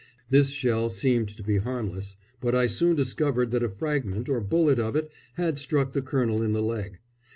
This shell seemed to be harmless; but I soon discovered that a fragment or bullet of it had struck the colonel in the leg.